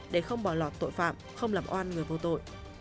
để không bỏ lọt tội phạm không làm oan người vô tội